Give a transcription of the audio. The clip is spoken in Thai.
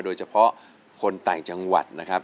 โดยเฉพาะคนต่างจังหวัดนะครับ